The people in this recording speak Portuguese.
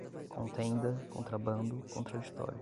contenda, contrabando, contraditório